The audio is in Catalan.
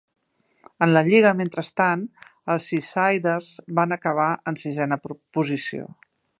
En la lliga, mentrestant, els Seasiders van acabar en sisena posició.